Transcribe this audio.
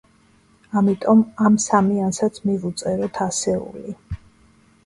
ამიტომ ამ სამიანსაც მივუწეროთ ასეული.